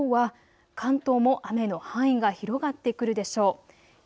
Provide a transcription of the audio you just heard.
昼過ぎ以降は関東も雨の範囲が広がってくるでしょう。